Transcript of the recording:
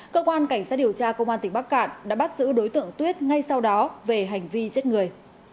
cơ quan cảnh sát điều tra công an tỉnh bắc cạn đã bắt giữ đối tượng tuyết ngay sau đó về hành vi giết người